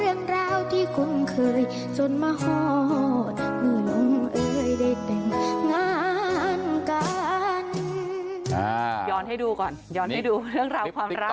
ย้อนให้ดูก่อนย้อนให้ดูเรื่องราวความรัก